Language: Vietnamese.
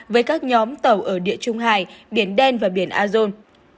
với các nhóm tàu ở địa trung hải biển đen và biển azon